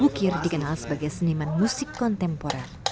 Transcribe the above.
bukir dikenal sebagai seniman musik kontemporer